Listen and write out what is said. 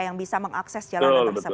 yang bisa mengakses jalanan tersebut